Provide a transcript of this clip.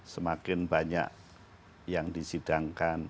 semakin banyak yang disidangkan